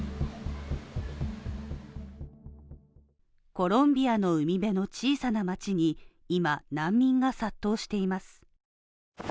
コロンビアの海辺の小さな町に、今、難民が殺到しています。